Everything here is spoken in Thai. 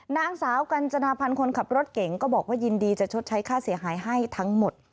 นางสาวกัญจนาพันธ์คนขับรถเก่งก็บอกว่ายินดีจะชดใช้ค่าเสียหายให้ทั้งหมด